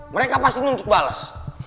mereka pasti nuntuk balas